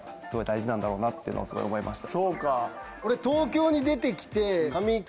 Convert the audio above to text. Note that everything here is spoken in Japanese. なんだろうなっていうのをすごい思いました。